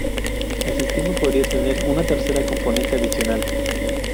El sistema podría tener una tercera componente adicional.